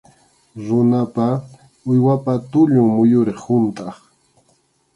Runapa, uywapa tullun muyuriq huntʼaq.